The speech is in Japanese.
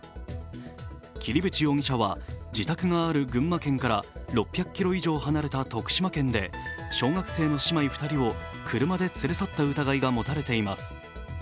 桐淵容疑者は自宅がある群馬県から６００ｋｍ以上離れた徳島県で小学生の姉妹２人を車で連れ去った疑いが持たれています。